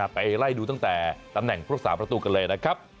ไปไล่ดูตั้งแต่ตำแหน่งพวก๓ประตูกันเลยนะครับ